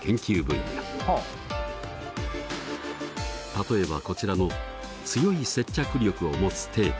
例えばこちらの強い接着力を持つテープ。